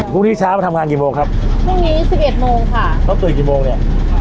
พรุ่งนี้เช้ามาทำงานกี่โมงครับพรุ่งนี้สิบเอ็ดโมงค่ะเขาเปิดกี่โมงเนี้ยค่ะ